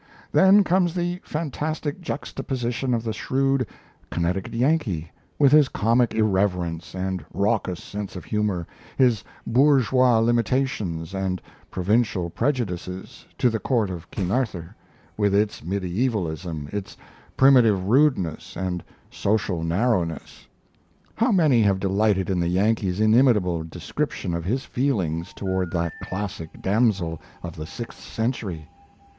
Then comes the fantastic juxtaposition of the shrewd Connecticut Yankee, with his comic irreverence and raucous sense of humour, his bourgeois limitations and provincial prejudices, to the Court of King Arthur, with its mediaevalism, its primitive rudeness and social narrowness. How many have delighted in the Yankee's inimitable description of his feelings toward that classic damsel of the sixth century?